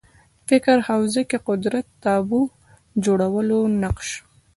د فکر حوزه کې قدرت تابو جوړولو نقش